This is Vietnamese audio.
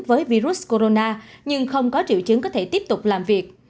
với virus corona nhưng không có triệu chứng có thể tiếp tục làm việc